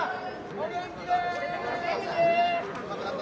お元気で！